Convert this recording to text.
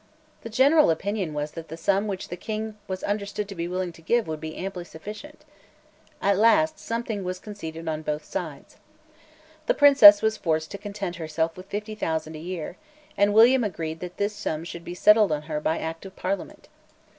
The general opinion was that the sum which the King was understood to be willing to give would be amply sufficient, At last something was conceded on both sides. The Princess was forced to content herself with fifty thousand a year; and William agreed that this sum should be settled on her by Act of Parliament.